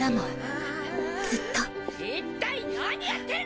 一体何やってるの⁉